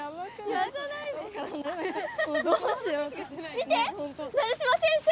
見て成島先生！